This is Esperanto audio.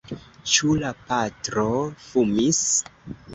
Ĉu la patro fumis?